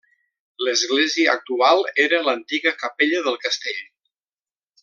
L'església actual era l'antiga capella del castell.